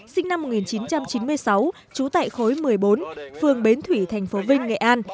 sinh năm một nghìn chín trăm chín mươi sáu trú tại khối một mươi bốn phương bến thủy tp vinh nghệ an